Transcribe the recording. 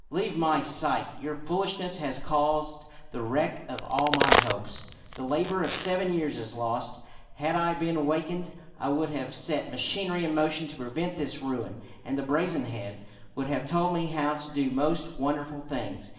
" Leave my sight ! Your foolishness has caused the wreck of all my hopes. The labor of seven years is lost. Had I been wakened, I would have set machinery in motion to prevent this ruin; and the brazen head FRIAR BACON AND THE BRAZEN HEAD 8 1 would have told me how to do most wonderful things.